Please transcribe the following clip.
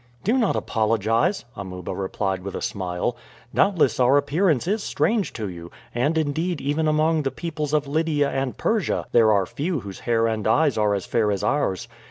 "Do not apologize," Amuba replied with a smile. "Doubtless our appearance is strange to you, and indeed even among the peoples of Lydia and Persia there are few whose hair and eyes are as fair as ours.